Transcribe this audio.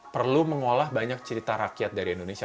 perlu mengolah banyak cerita rakyat dari indonesia